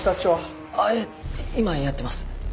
あっ今やってます。